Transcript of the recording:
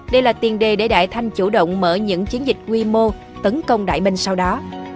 đây là tiền đề để đại thanh chủ động mở những chiến dịch quy mô tấn công đại minh sau đó